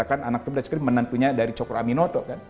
anak menantunya dari soekarno